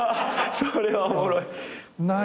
それはおもろい。